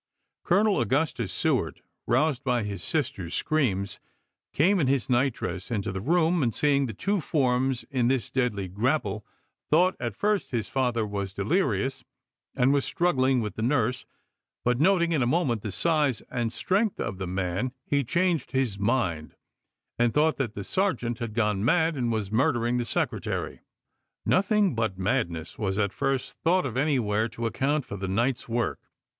Colonel Augustus Seward, roused by his sister's screams, came in his nightdress into the room, and seeing the two forms in this deadly grapple thought at first his father was delirious and was struggling with the nurse, but noting in a moment the size and strength of the man, he changed his mind and thought that the sergeant had gone mad and was murdering the Secretary. Nothing but madness was at first thought of any where to account for the night's work.